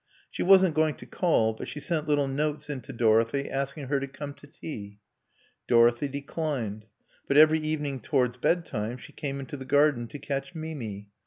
She wasn't going to call, but she sent little notes in to Dorothy asking her to come to tea. Dorothy declined. But every evening, towards bedtime, she came into the garden to catch Mimi.